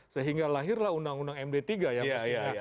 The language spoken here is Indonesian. sehingga lahirlah undang undang md tiga ya